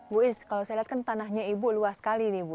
bu is kalau saya lihat kan tanahnya ibu luas sekali nih bu